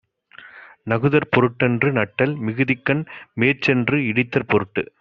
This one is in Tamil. நகுதற் பொருட்டன்று நட்டல், மிகுதிக்கண், மேற்சென்று இடித்தற்பொருட்டு.